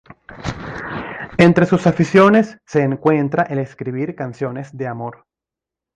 Entre sus aficiones se encuentra el escribir canciones de amor.